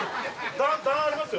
段ありますよ